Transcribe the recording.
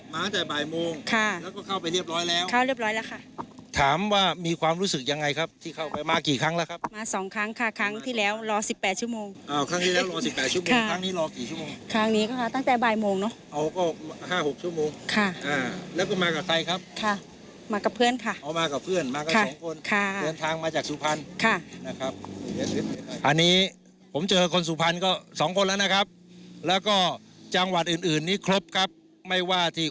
มาตั้งแต่บ่ายโมงค่ะแล้วก็เข้าไปเรียบร้อยแล้วเข้าเรียบร้อยแล้วค่ะถามว่ามีความรู้สึกยังไงครับที่เข้าไปมากี่ครั้งแล้วครับมาสองครั้งค่ะครั้งที่แล้วรอสิบแปดชั่วโมงอ้าวครั้งที่แล้วรอสิบแปดชั่วโมงค่ะครั้งนี้รอกี่ชั่วโมงครั้งนี้ก็ค่ะตั้งแต่บ่ายโมงเนอะเอาก็ห้าหกชั่วโมงค่ะอ่าแล้วก็มากับใครครับค่